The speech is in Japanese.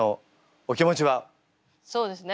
そうですね